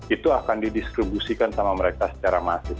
itu akan didistribusikan sama mereka secara masif